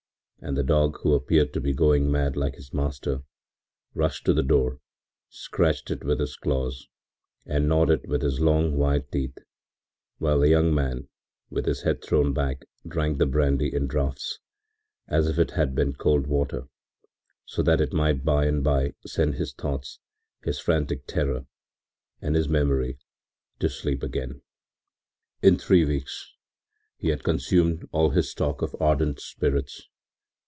And the dog, who appeared to be going mad like his master, rushed to the door, scratched it with his claws and gnawed it with his long white teeth, while the young man, with his head thrown back drank the brandy in draughts, as if it had been cold water, so that it might by and by send his thoughts, his frantic terror, and his memory to sleep again. In three weeks he had consumed all his stock of ardent spirits.